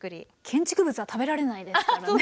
建築物は食べられないですからね。